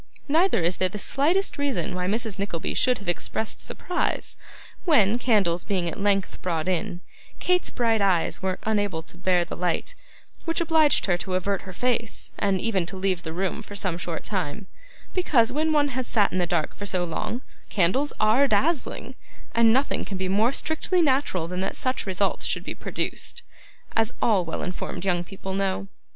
Neither is there the slightest reason why Mrs. Nickleby should have expressed surprise when, candles being at length brought in, Kate's bright eyes were unable to bear the light which obliged her to avert her face, and even to leave the room for some short time; because, when one has sat in the dark so long, candles ARE dazzling, and nothing can be more strictly natural than that such results should be produced, as all well informed young people know.